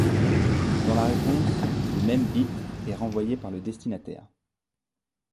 Dans la réponse, le même bit est renvoyé par le destinataire.